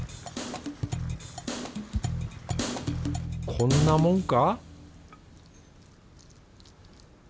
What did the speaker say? こんなもんか？